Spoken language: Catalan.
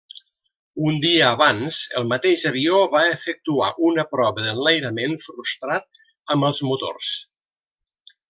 Un dia abans, el mateix avió va efectuar una prova d'enlairament frustrat amb els motors.